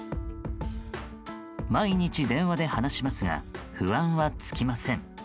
毎日、電話で話しますが不安は尽きません。